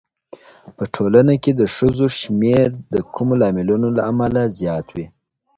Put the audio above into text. په ټولنه کې د ښځو شمېر د کومو لاملونو له امله زیات وي؟